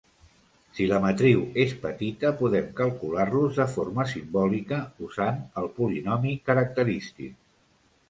Si la matriu és petita, podem calcular-los de forma simbòlica usant el polinomi característic.